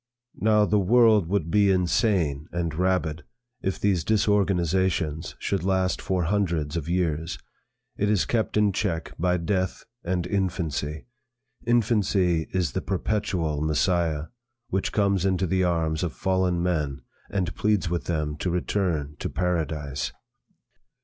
Now, the world would be insane and rabid, if these disorganizations should last for hundreds of years. It is kept in check by death and infancy. Infancy is the perpetual Messiah, which comes into the arms of fallen men, and pleads with them to return to paradise.